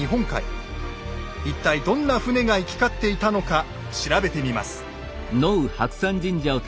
一体どんな船が行き交っていたのか調べてみます。